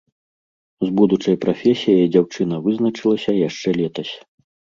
З будучай прафесіяй дзяўчына вызначылася яшчэ летась.